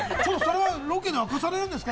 ロケで明かされるんですか？